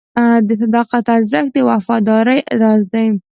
د صداقت ارزښت د وفادارۍ راز دی.